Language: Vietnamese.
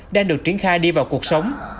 đang được triển khai đi vào cuộc sống